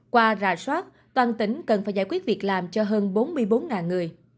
qua rà soát toàn tỉnh cần phải giải quyết việc làm cho hơn bốn mươi bốn người